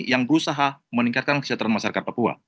yang berusaha meningkatkan kesejahteraan masyarakat papua